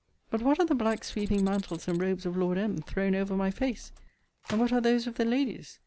But what are the black sweeping mantles and robes of Lord M. thrown over my face? And what are those of the ladies?